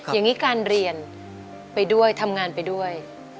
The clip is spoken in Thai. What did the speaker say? อย่างนี้การเรียนไปด้วยทำงานไปด้วย